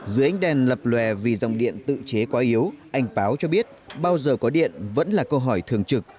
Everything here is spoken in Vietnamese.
dưới ánh đèn lập lòe vì dòng điện tự chế quá yếu anh báo cho biết bao giờ có điện vẫn là câu hỏi thường trực